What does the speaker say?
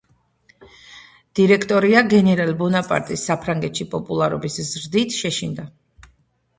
დირექტორია გენერალ ბონაპარტის საფრანგეთში პოპულარობის ზრდით შეშინდა.